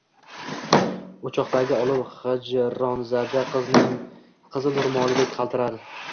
Oʼchokdagi olov hijronzada qizning qizil roʼmolidek qaltirar